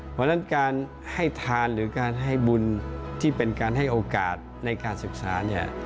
เพราะฉะนั้นการให้ทานหรือการให้บุญที่เป็นการให้โอกาสในการศึกษาเนี่ย